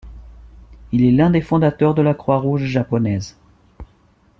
Il est l'un des fondateurs de la croix rouge japonaise.